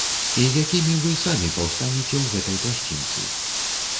І якімі вы самі паўстанеце ў гэтай пласцінцы?